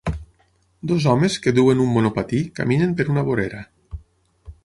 Dos homes que duen un monopatí caminen per una vorera.